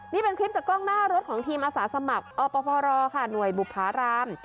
นี่เป็นคลิปจากกล้องหน้ารถของทีมอาสาสมัครอพรค่ะหน่วยบุภาราม